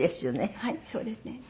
はいそうですね。